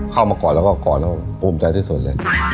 เข้ามาก่อนแล้วก็ก่อนและปลูงใจที่สุดเลย